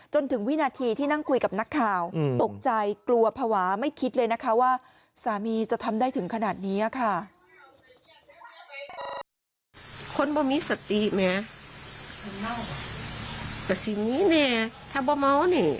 จนถึงวินาทีที่นั่งคุยกับนักข่าวตกใจกลัวภาวะไม่คิดเลยนะคะว่าสามีจะทำได้ถึงขนาดนี้ค่ะ